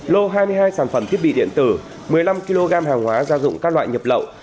lô hai mươi hai sản phẩm thiết bị điện tử một mươi năm kg hàng hóa gia dụng các loại nhập lậu